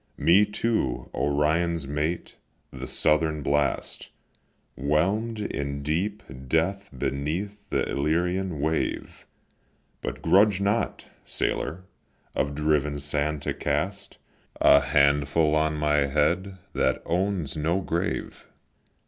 Me, too, Orion's mate, the Southern blast, Whelm'd in deep death beneath the Illyrian wave. But grudge not, sailor, of driven sand to cast A handful on my head, that owns no grave.